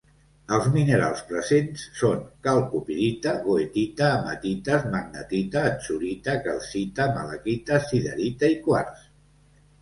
Els minerals presents són calcopirita, goethita, hematites, magnetita, atzurita, calcita, malaquita, siderita i quars.